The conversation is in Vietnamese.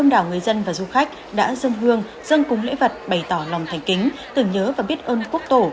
đông đảo người dân và du khách đã dâng hương dâng cúng lễ vật bày tỏ lòng thành kính tưởng nhớ và biết ơn quốc tổ